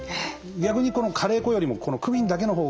逆にカレー粉よりもこのクミンだけのほうが